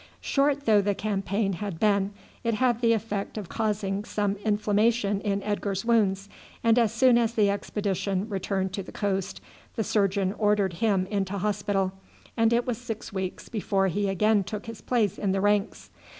Short though the campaign had been it had the effect of causing some inflammation in Edgar's wounds, and as soon as the expedition returned to the coast the surgeon ordered him into hospital, and it was six weeks before he again took his place in the ranks.